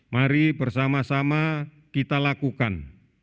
mari bersama sama kita lakukan